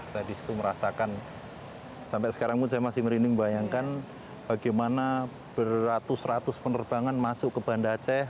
saya di situ merasakan sampai sekarang pun saya masih merinding bayangkan bagaimana beratus ratus penerbangan masuk ke banda aceh